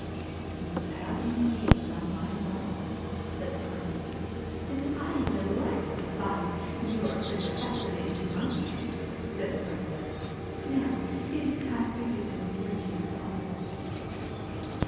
* You have indeed won my love,' said the Prince, p 225 THE WHITE CAT THE 'And I am delighted to find you are such a WHITE fascinating monkey,' said the Princess. 'Now CAT it is time for you to return to your father.'